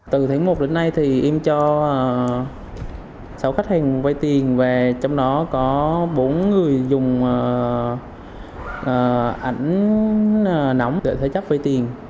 từ tháng một đến nay thì em cho sáu khách hàng vay tiền và trong đó có bốn người dùng ảnh nóng để thế chấp vay tiền